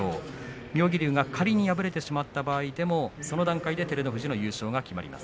妙義龍が仮に敗れてしまった場合でもその段階で照ノ富士の優勝が決まります。